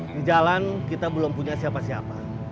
di jalan kita belum punya siapa siapa